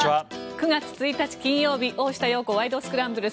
９月１日、金曜日「大下容子ワイド！スクランブル」。